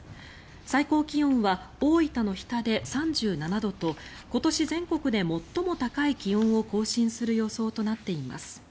最高気温は大分の日田で３７度と今年全国で最も高い気温を更新する予想となっています。